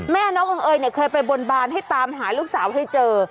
แม่น้ององเอยเนี่ยเคยไปบนบานให้ตามหาลูกสาวให้เจอ